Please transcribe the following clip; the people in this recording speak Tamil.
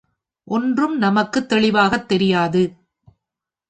ஒன்றும் நமக்குத் தெளிவாகத் தெரியாது.